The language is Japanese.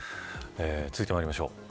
続いてまいりましょう。